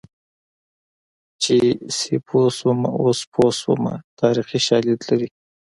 چې سیپو شومه اوس په پوه شومه تاریخي شالید لري